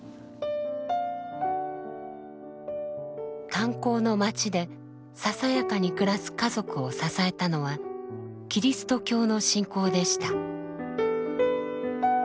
炭鉱の町でささやかに暮らす家族を支えたのはキリスト教の信仰でした。